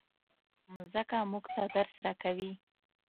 مځکه موږ ته درس راکوي.